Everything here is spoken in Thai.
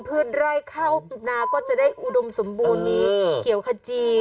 พืชไล่เข้านาก็จะได้อุดมสมบูรณ์มีเกี่ยวขจี